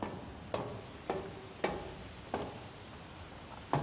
あっ。